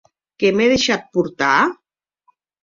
Que m'è deishat portar!